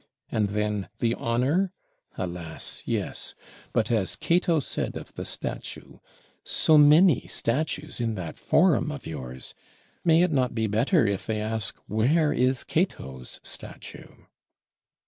And then the 'honor'? Alas, yes; but as Cato said of the statue: So many statues in that Forum of yours, may it not be better if they ask, Where is Cato's statue?"